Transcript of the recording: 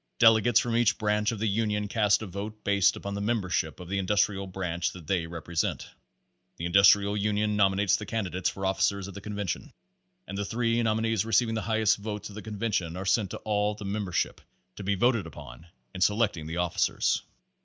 Dele gates from each Branch of the Union cast a vote based upon the membership of the Industrial Branch that they represent. The Industrial Union nominates the candidates for officers at the convention, and the three nominees re ceiving the highest votes at the convention are sent to Pace Sixteen all the membership to be voted upon in selecting the officers.